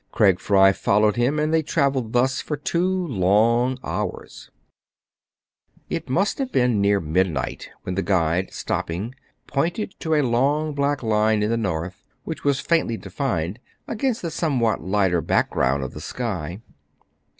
Craig Fry followed him, and they travelled thus for two long hours. CRAIG AND FRY SEE THE MOON RISE. 255 It must have been near midnight when the guide, stopping, pointed to a long black line in the north, which was faintly defined against the some what lighter background of the sky.